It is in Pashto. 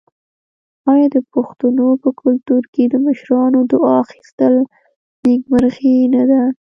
آیا د پښتنو په کلتور کې د مشرانو دعا اخیستل نیکمرغي نه ده؟